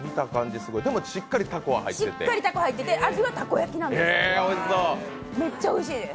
でも、しっかりたこ入ってて、味はたこ焼きなんですよ、めっちゃおいしいです。